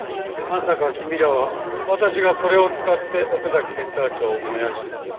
まさか君らは私がそれを使って奥崎センター長を燃やしたと？